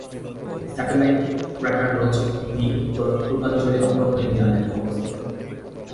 Satellite crater Roche B উত্তর-পূর্বাঞ্চলীয় অভ্যন্তরীণ দেয়ালে অবস্থিত।